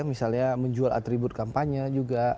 misalnya menjual atribut kampanye juga